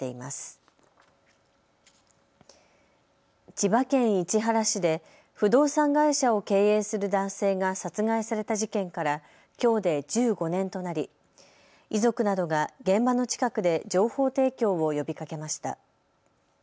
千葉県市原市で不動産会社を経営する男性が殺害された事件からきょうで１５年となり遺族などが現場の近くで情報提供を呼びかけました。